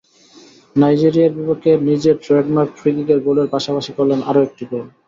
নাইজেরিয়ার বিপক্ষে নিজের ট্রেডমার্ক ফ্রি-কিকের গোলের পাশাপাশি করলেন আরও একটি গোল।